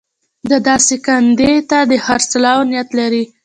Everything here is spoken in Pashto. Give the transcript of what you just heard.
ده داسې کاندید ته د خرڅولو نیت لري.